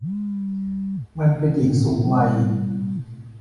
มันเป็นหญิงสูงวัย